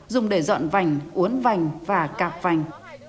dùng để dọn vành uốn vành và cạp vành